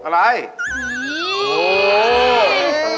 อะไรโอ้โฮ